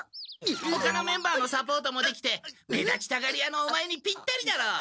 ほかのメンバーのサポートもできて目立ちたがり屋のオマエにぴったりだろう。